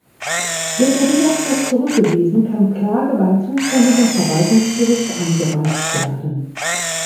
Wird der Widerspruch zurückgewiesen, kann Klage beim zuständigen Verwaltungsgericht eingereicht werden.